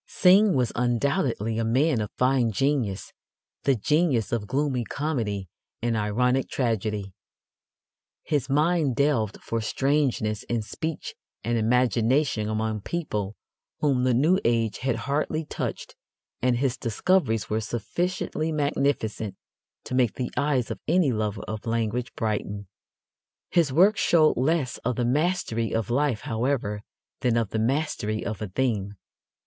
Synge was undoubtedly a man of fine genius the genius of gloomy comedy and ironic tragedy. His mind delved for strangenesses in speech and imagination among people whom the new age had hardly touched, and his discoveries were sufficiently magnificent to make the eyes of any lover of language brighten. His work showed less of the mastery of life, however, than of the mastery of a theme.